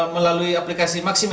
melalui aplikasi maksim ya